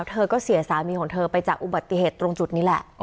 เธอก็เสียสามีของเธอไปจากอุบัติเหตุตรงจุดนี้แหละ